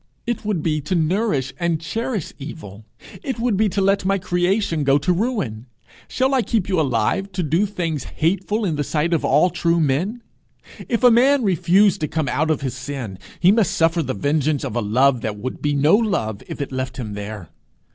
It would be to nourish and cherish evil! It would be to let my creation go to ruin. Shall I keep you alive to do things hateful in the sight of all true men? If a man refuse to come out of his sin, he must suffer the vengeance of a love that would be no love if it left him there.